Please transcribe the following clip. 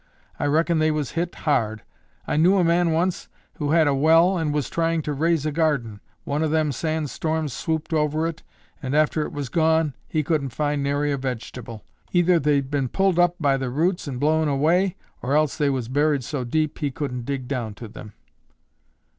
I reckon they was hit hard. I knew a man, once, who had a well and was tryin' to raise a garden. One of them sand storms swooped over it, and, after it was gone, he couldn't find nary a vegetable. Either they'd been pulled up by the roots and blown away or else they was buried so deep, he couldn't dig down to them."